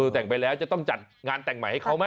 แต่งไปแล้วจะต้องจัดงานแต่งใหม่ให้เขาไหม